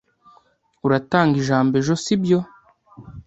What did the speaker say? Uratanga ijambo ejo sibyo?